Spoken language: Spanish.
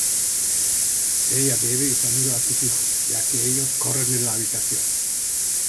Ella bebe y saluda a sus hijos, ya que ellos corren en la habitación.